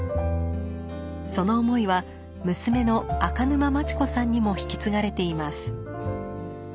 その思いは娘の赤沼真知子さんにも引き継がれています。